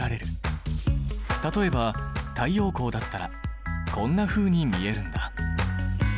例えば太陽光だったらこんなふうに見えるんだ。